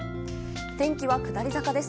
天気は下り坂です。